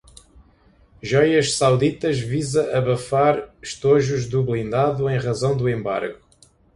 Joias sauditas visa abafar os estojos do blindado em razão do embargo